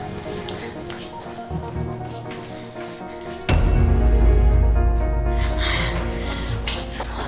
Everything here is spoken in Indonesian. terima kasih banyak